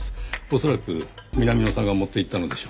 恐らく南野さんが持っていったのでしょう。